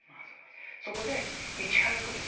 そこでいち早くですね